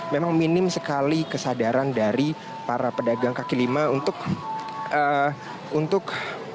memang minim sekali kesadaran dari para pedagang kaki lima untuk